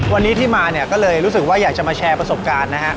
วันนี้ที่มาเนี่ยก็เลยรู้สึกว่าอยากจะมาแชร์ประสบการณ์นะฮะ